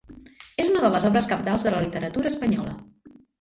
És una de les obres cabdals de la Literatura espanyola.